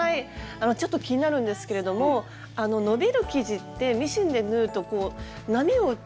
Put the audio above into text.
ちょっと気になるんですけれども伸びる生地ってミシンで縫うとこう波を打ったりしませんか？